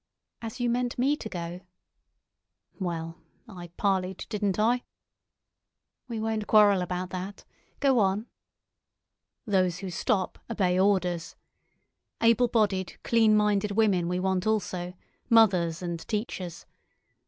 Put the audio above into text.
"As you meant me to go?" "Well—I parleyed, didn't I?" "We won't quarrel about that. Go on." "Those who stop obey orders. Able bodied, clean minded women we want also—mothers and teachers.